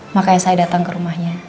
makanya saya datang ke rumahnya